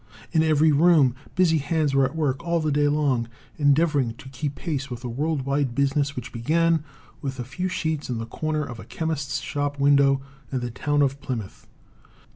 In every room busy hands are at work all the day long endeavouring to keep pace with a world wide business which began with a few sheets in the corner of a chemist's shop window in the town of Plymouth.